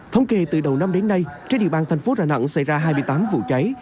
thống kê từ đầu năm đến nay trên địa bàn thành phố đà nẵng xảy ra hai mươi tám vụ cháy